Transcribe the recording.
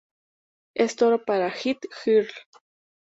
Es todo para Hit-Girl.